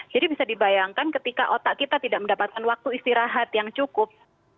jadi bisa dibayangkan ketika otak kita tidak mendapatkan waktu istirahat yang cukup